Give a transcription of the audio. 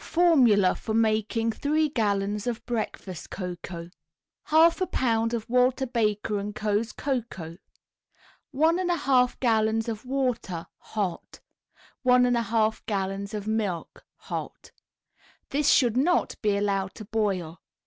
FORMULA FOR MAKING THREE GALLONS OF BREAKFAST COCOA 1/2 a pound of Walter Baker & Co.'s Cocoa, 1 1/2 gallons of water, hot, 1 1/2 gallons of milk, hot. This should not be allowed to boil.